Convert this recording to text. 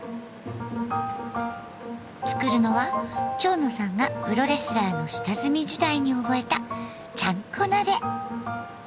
作るのは蝶野さんがプロレスラーの下積み時代に覚えた「ちゃんこ鍋」。